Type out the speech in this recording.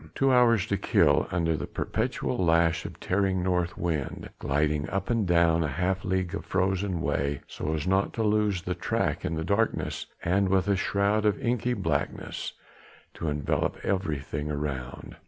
Two hours to kill under the perpetual lash of a tearing north wind, gliding up and down a half league of frozen way so as not to lose the track in the darkness and with a shroud of inky blackness to envelop everything around!